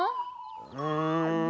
うん。